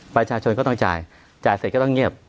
ประชาชนก็ต้องจ่ายจ่ายเสร็จก็ต้องเงียบ